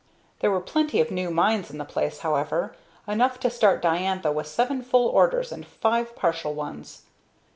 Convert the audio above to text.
There were plenty of new minds in the place, however; enough to start Diantha with seven full orders and five partial ones.